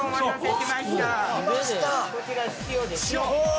こちら塩です。